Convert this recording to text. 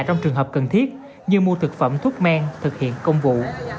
trong trường hợp cần thiết như mua thực phẩm thuốc men thực hiện công vụ